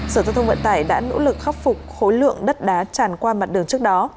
sở giao thông vận tải đã nỗ lực khắc phục khối lượng đất đá tràn qua mặt đường trước đó